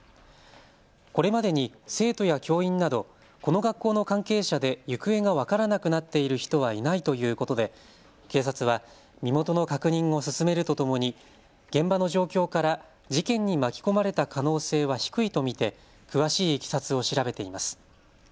これまでに生徒や教員などこの学校の関係者で行方が分からなくなっている人はいないということで警察は身元の確認を進めるとともに現場の状況から事件に巻き込まれた可能性は低いと見て詳しいいきさつを調べています。